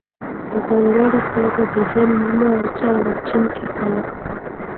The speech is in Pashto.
په ځانګړې توګه د هند نیمه وچه او چین کې خلک وو.